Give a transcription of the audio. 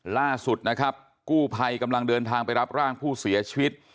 ล่าสุดนะครับกู้ภัยกำลังเดินทางไปรับร่างผู้เสียชีวิต